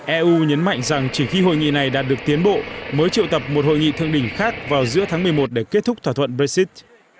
eu nhấn mạnh rằng chỉ khi hội nghị này đạt được tiến bộ mới triệu tập một hội nghị thượng đỉnh khác vào giữa tháng một mươi một để kết thúc thỏa thuận brexit